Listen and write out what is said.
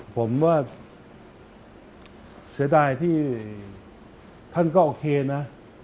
ผมว่าเสียดายที่ท่านก็โอเคนะ